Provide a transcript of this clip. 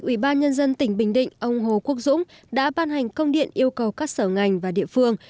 ủy ban nhân dân tỉnh bình định ông hồ quốc dũng đã ban hành công điện yêu cầu các sở ngành và địa phương